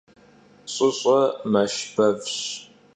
Ş'ış'e meşş bevş.